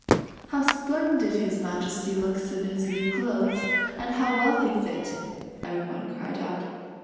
"How splendid his Majesty looks in his new clothes, and how well they fit!" everyone cried out.